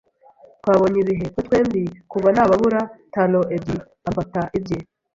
twabonye ibihe, twe twembi, kuva nababura talon ebyiri, "amufata ibye